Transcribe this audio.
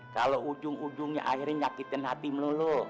kalau ujung ujungnya akhirnya nyakitin hati melulu